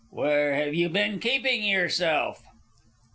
Where have you been keeping yourself?"